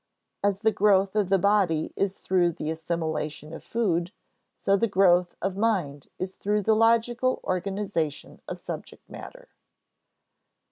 As the growth of the body is through the assimilation of food, so the growth of mind is through the logical organization of subject matter.